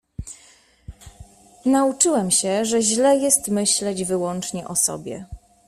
Nauczyłem się, że źle jest myśleć wyłącznie o sobie.